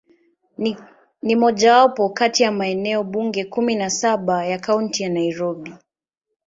Ni mojawapo kati ya maeneo bunge kumi na saba ya Kaunti ya Nairobi.